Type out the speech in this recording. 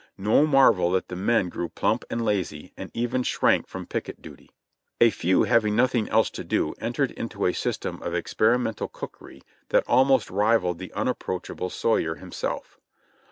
No marvel that the men grew plump and lazy, and even shrank from picket duty. A few having nothing else to do entered into a system of ex perimental cookery that almost rivaled the unapproachable Soyer himself.